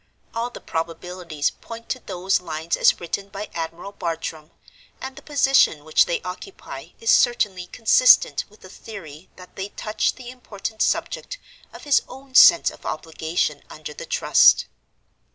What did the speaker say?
All the probabilities point to those lines as written by Admiral Bartram: and the position which they occupy is certainly consistent with the theory that they touch the important subject of his own sense of obligation under the Trust.